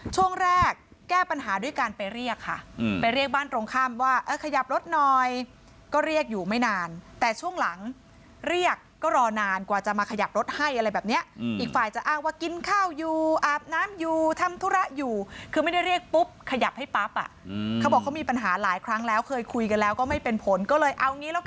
ช่วงแรกแก้ปัญหาด้วยการไปเรียกค่ะไปเรียกบ้านตรงข้ามว่าเออขยับรถหน่อยก็เรียกอยู่ไม่นานแต่ช่วงหลังเรียกก็รอนานกว่าจะมาขยับรถให้อะไรแบบเนี้ยอีกฝ่ายจะอ้างว่ากินข้าวอยู่อาบน้ำอยู่ทำธุระอยู่คือไม่ได้เรียกปุ๊บขยับให้ปั๊บอ่ะเขาบอกเขามีปัญหาหลายครั้งแล้วเคยคุยกันแล้วก็ไม่เป็นผลก็เลยเอางี้แล้วก็